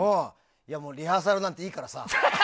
いや、もうリハーサルなんていいからさ。